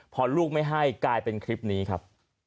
พอลูกไม่ให้กลายเป็นคลิปนี้ครับ